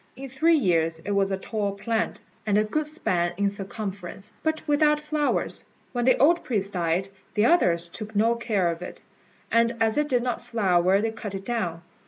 In three years it was a tall plant, and a good span in circumference, but without flowers. When the old priest died, the others took no care of it; and as it did not flower they cut it down.